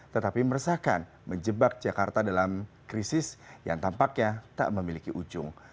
tetapi meresahkan menjebak jakarta dalam krisis yang tampaknya tak memiliki ujung